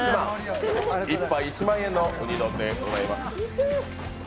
１杯１万円のウニ丼でございます。